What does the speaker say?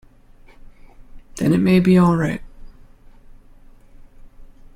Then it may be all right.